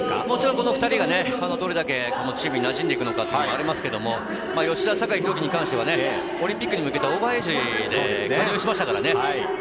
この２人がどれだけチームに馴染んでいくのかというもありますが、吉田、酒井宏樹に関してはオリンピックに向けたオーバーエイジで、加入しましたからね。